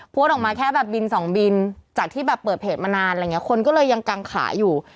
ออกมาแค่แบบบินสองบินจากที่แบบเปิดเพจมานานอะไรอย่างนี้คนก็เลยยังกังขาอยู่